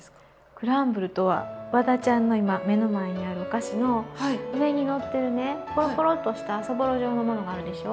クランブルとはワダちゃんの今目の前にあるお菓子の上にのってるねポロポロッとしたそぼろ状のものがあるでしょう。